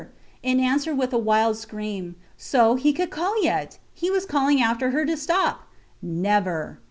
and answered with a wild scream. So, he could call yet! He was calling after her to stop. Never!